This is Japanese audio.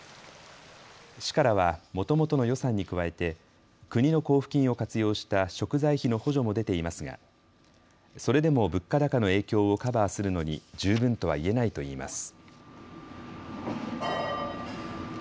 市からはもともとの予算に加えて国の交付金を活用した食材費の補助も出ていますがそれでも物価高の影響をカバーするのに十分とはいえないといいます。